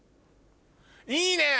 いいね！